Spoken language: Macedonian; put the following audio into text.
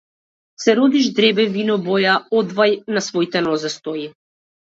Се роди ждребе вино-боја, одвај на своите нозе стои.